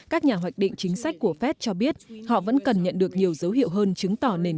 các nhà hoạch định chính sách của fed cho biết họ vẫn cần nhận được nhiều dấu hiệu hơn chứng tỏ nền